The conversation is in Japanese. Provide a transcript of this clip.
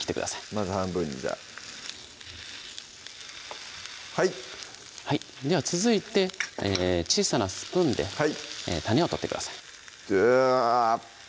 まず半分にはいはいでは続いて小さなスプーンで種を取ってくださいグワー！